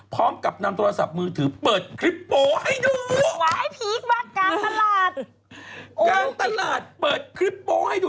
พร้อมกับนำโทรศัพท์มือถือเปิดคลิปโป๊ให้ดูคลิปโ